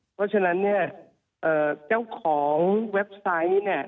เพราะฉะนั้นเจ้าของเว็บไซต์